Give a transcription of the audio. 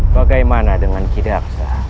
bagaimana dengan kidak